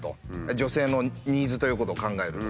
女性のニーズということを考えると。